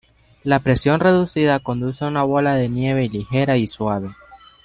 La presión reducida conduce a una bola de nieve ligera y suave.